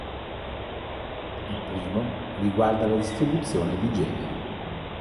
Il primo riguarda la distribuzione di genere.